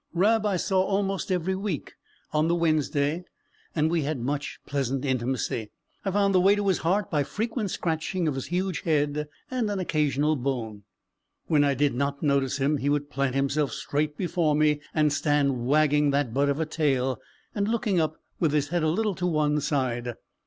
Rab I saw almost every week, on the Wednesday and we had much pleasant intimacy. I found the way to his heart by frequent scratching of his huge head, and an occasional bone. When I did not notice him he would plant himself straight before me, and stand wagging that butt of a tail, and looking up, with his head a little to one side.